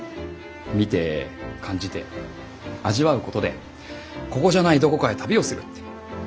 見て感じて味わうことでここじゃないどこかへ旅をするって。